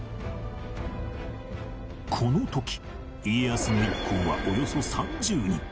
この時家康の一行はおよそ３０人